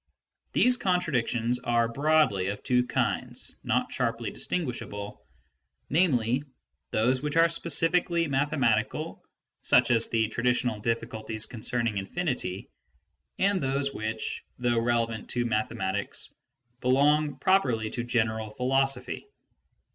These contradictions are broadly of two kinds (not sharply distinguishable), namely those which are specific ally mathematical, such as the traditional dif!iculties concerning infinity, and those which, though relevant to mathematics, belong properly to general philosophy.